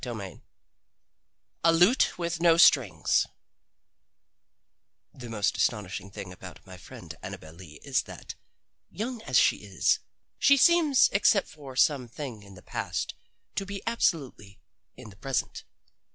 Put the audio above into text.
XVII A LUTE WITH NO STRINGS The most astonishing thing about my friend Annabel Lee is that, young as she is, she seems except for some thing in the past to be absolutely in the present.